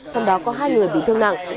trong đó có hai người bị thương nặng